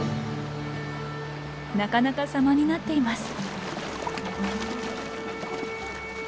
なかなか様になっています。